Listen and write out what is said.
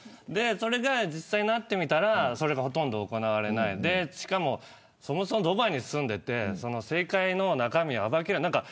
それが実際になってみたらほとんど行われずそもそもドバイに住んでいて政界の中身を暴けるのか。